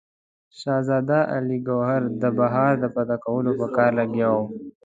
شهزاده علي ګوهر د بیهار د فتح کولو په کار لګیا وو.